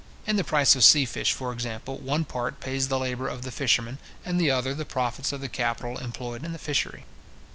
In the price of sea fish, for example, one part pays the labour of the fisherman, and the other the profits of the capital employed in the fishery.